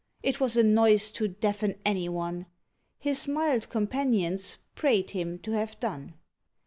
It was a noise to deafen any one: His mild companions prayed him to have done.